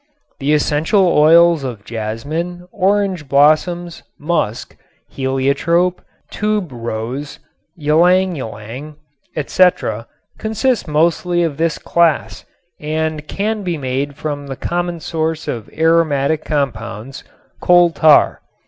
The essential oils of jasmine, orange blossoms, musk, heliotrope, tuberose, ylang ylang, etc., consist mostly of this class and can be made from the common source of aromatic compounds, coal tar.